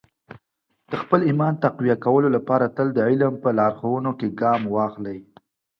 د خپل ایمان تقویه کولو لپاره تل د علم په لارښوونو کې ګام واخلئ.